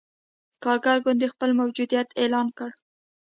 کارګر ګوند خپل موجودیت اعلان کړ.